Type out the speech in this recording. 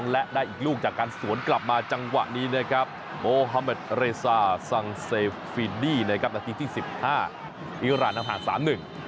และได้อีกลูกจากการสวนกลับมะจังหวะนี้นะครับ